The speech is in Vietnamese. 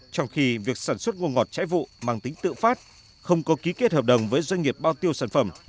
trong khi việc sản xuất gông ngọt trái vụ mang tính tự phát không có ký kết hợp đồng với doanh nghiệp bao tiêu sản phẩm